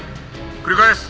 「繰り返す。